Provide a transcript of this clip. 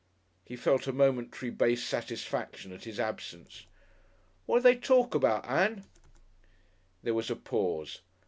He felt a momentary base satisfaction at his absence. "What did they talk about, Ann?" There was a pause.